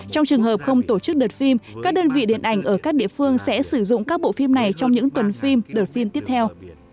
trong trường hợp không tổ chức đợt phim các đơn vị điện ảnh ở các địa phương sẽ sử dụng các bộ phim này trong những tuần phim đợt phim tiếp theo